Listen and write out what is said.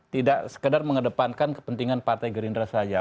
tidak sekedar mengedepankan kepentingan partai gerindra saja